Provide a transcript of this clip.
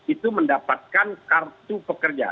itu mendapatkan kartu pekerja